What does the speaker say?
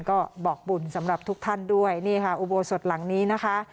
ก็บอกบุญสำหรับทุกท่านด้วยนี่ค่ะอุโบสถหลังนี้นะคะ